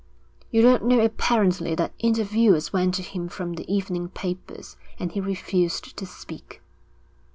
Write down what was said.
'You don't know apparently that interviewers went to him from the evening papers, and he refused to speak.'